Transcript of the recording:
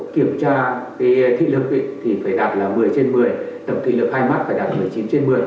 kiểm tra thị lực thì phải đạt là một mươi trên một mươi tổng thị lực hai mắt phải đạt một mươi chín trên một mươi